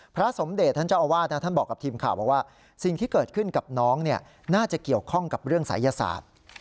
พระสมเดชท่านเจ้าอาวาสท่านบอกกับทีมข่าวบอกว่าสิ่งที่เกิดขึ้นกับน้องน่าจะเกี่ยวข้องกับเรื่องศัยศาสตร์